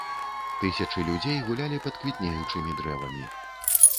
Тысячы людзей гулялі пад квітнеючымі дрэвамі.